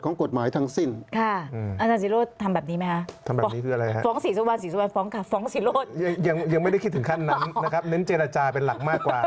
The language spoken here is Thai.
ยังไม่ได้คิดถึงขั้นนั้นนะครับเน้นเจรจาเป็นหลักมากกว่า